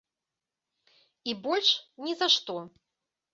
І больш ні за што.